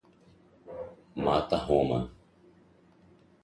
Mata Roma